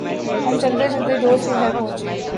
ہم چلتے چلتے دوست کے گھر پہنچے ۔